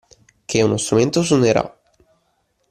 Che uno strumento suonerà